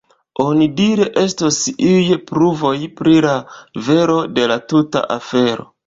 Onidire estos iuj pruvoj pri la vero de la tuta afero.